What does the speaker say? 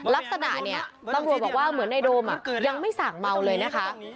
ลักษณะเนี่ยตำรวจบอกว่าเหมือนในโดมยังไม่สั่งเมาเลยนะคะ